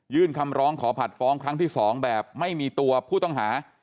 คำร้องขอผัดฟ้องครั้งที่๒แบบไม่มีตัวผู้ต้องหา